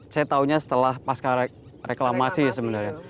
saya tahunya setelah pasca reklamasi sebenarnya